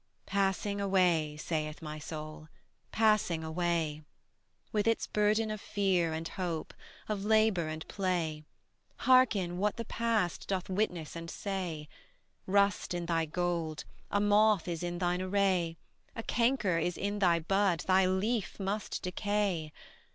Passing away, saith my Soul, passing away: With its burden of fear and hope, of labor and play; Hearken what the past doth witness and say: Rust in thy gold, a moth is in thine array, A canker is in thy bud, thy leaf must decay.